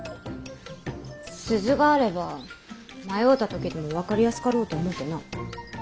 鈴があれば迷うた時でも分かりやすかろうと思うてな。